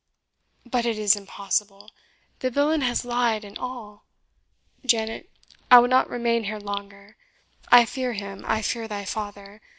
But it is impossible the villain has lied in all. Janet, I will not remain here longer I fear him I fear thy father.